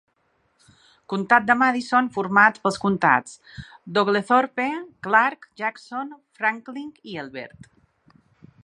Comtat de Madison format pels comtats de Oglethorpe, Clarke, Jackson, Franklin i Elbert.